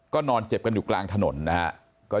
นอนเจ็บกันอยู่กลางถนนนะครับ